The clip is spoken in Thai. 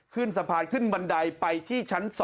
ขึ้นสะพานขึ้นบันไดไปที่ชั้น๒